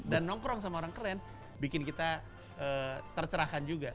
dan nongkrong sama orang keren bikin kita tercerahkan juga